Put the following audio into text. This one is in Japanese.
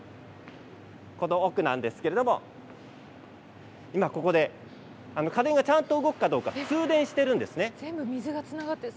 この奥なんですけれどここで家電がちゃんと動くかどうか通電しているんですね。